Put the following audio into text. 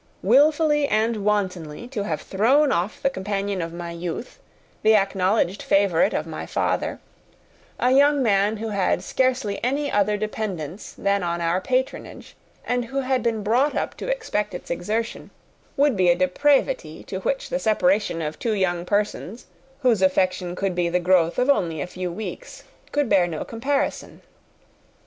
Wilfully and wantonly to have thrown off the companion of my youth, the acknowledged favourite of my father, a young man who had scarcely any other dependence than on our patronage, and who had been brought up to expect its exertion, would be a depravity, to which the separation of two young persons whose affection could be the growth of only a few weeks, could bear no comparison.